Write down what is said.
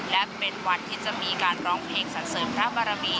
และเป็นวันที่จะมีการร้องเพลงสรรเสริมพระบารมี